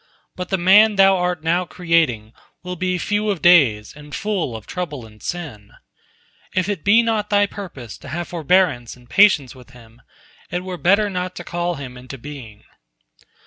But the man Thou art now creating will be few of days and full of trouble and sin. If it be not Thy purpose to have forbearance and patience with him, it were better not to call him into being."